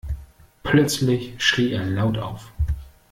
Plötzlich schrie er laut auf.